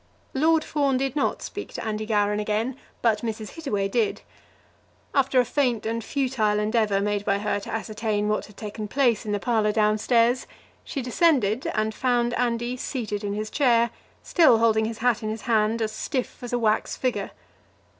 Lord Fawn did not speak to Andy Gowran again, but Mrs. Hittaway did. After a faint and futile endeavour made by her to ascertain what had taken place in the parlour down stairs, she descended and found Andy seated in his chair, still holding his hat in his hand, as stiff as a wax figure.